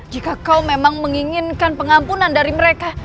jika kau memang menginginkan pengampunan dari mereka